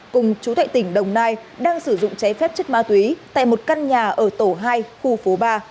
cùng chú thệ tỉnh đồng nai đang sử dụng cháy phép chất ma túy tại một căn nhà ở tổ hai khu phố ba